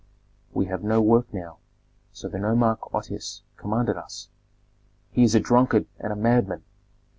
We have no work now, so the nomarch Otoes commanded us " "He is a drunkard and a madman!"